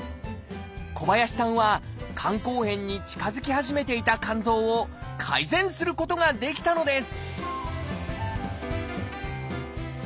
小林さんは肝硬変に近づき始めていた肝臓を改善することができたのです！